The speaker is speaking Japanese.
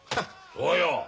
そうよ。